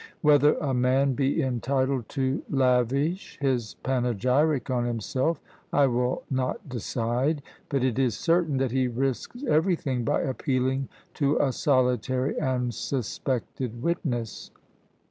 Whether a man be entitled to lavish his panegyric on himself, I will not decide; but it is certain that he risks everything by appealing to a solitary and suspected witness.